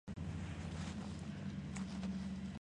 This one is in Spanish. La nueva corporación fue nombrada Corporación Alchemax.